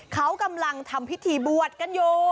เขากำลังทำพิธีบวชกันอยู่